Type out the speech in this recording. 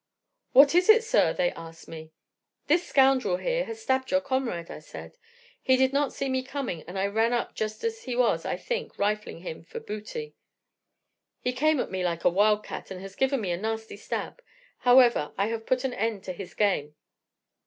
"'What is it, sir?' they asked me. "'This scoundrel, here, has stabbed your comrade,' I said. 'He did not see me coming, and I ran up just as he was, I think, rifling him for booty. He came at me like a wild cat, and has given me a nasty stab. However, I have put an end to his game.